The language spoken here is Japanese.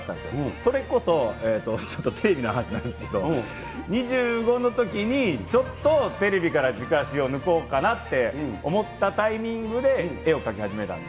それこそ、ちょっとテレビの話になるんですけど、２５のときに、ちょっとテレビから軸足を抜こうかなって思ったタイミングで絵を描き始めたんで。